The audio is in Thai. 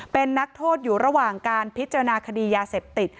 เป็นนักโทษอยู่ระหว่างการพิจารณาคดียาเสพติด